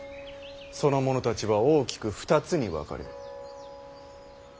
その者たちは大きく２つに分かれる。